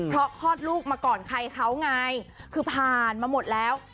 เพราะคลอดลูกมาก่อนใครเขาไงคือผ่านมาหมดแล้ว